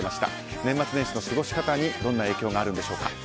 年末年始の過ごし方にどんな影響があるのでしょうか。